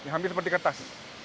hampir seperti kertas